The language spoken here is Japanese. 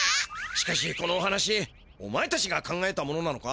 しかしこのお話おまえたちが考えたものなのか？